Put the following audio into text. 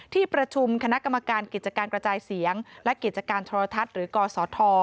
ที่ประชุมคณะกรรมการกิจการกระจายเสียงและกิจการโทรทัศน์หรือกศธ